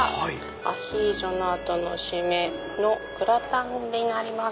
アヒージョの後の締めのグラタンになります。